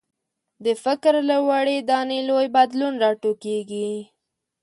د فکر له وړې دانې لوی بدلون راټوکېږي.